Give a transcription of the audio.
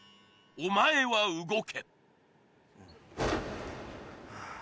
お前は動け。